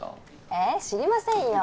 えっ知りませんよ